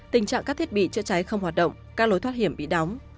tình trạng các thiết bị chữa cháy không hoạt động các lối thoát hiểm bị đóng